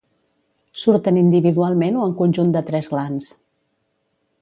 Surten individualment o en conjunt de tres glans.